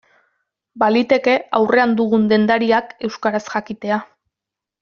Baliteke aurrean dugun dendariak euskaraz jakitea.